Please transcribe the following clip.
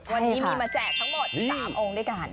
วันนี้มีมาแจกทั้งหมด๓องค์ด้วยกัน